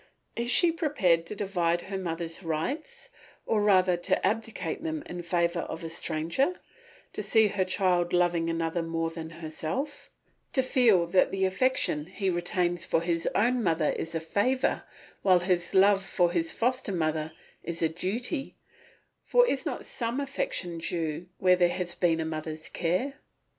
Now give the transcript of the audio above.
Is she prepared to divide her mother's rights, or rather to abdicate them in favour of a stranger; to see her child loving another more than herself; to feel that the affection he retains for his own mother is a favour, while his love for his foster mother is a duty; for is not some affection due where there has been a mother's care?